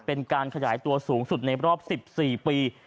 เป็นการขยายตัวสูงสุดในรอบ๑๔ปี